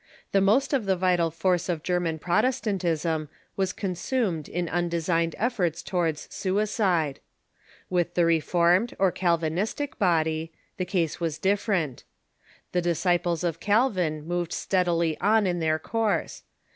The most of the vital force of German Controversies Protestantisni was consumed in undesigned efforts towards suicide. With the Reformed, or Calvinistic, body, the case was different. The disciples of Calvin moved steadily on in their course.